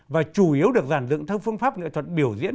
và chủ yếu được giàn dựng theo phương pháp nghệ thuật biểu diễn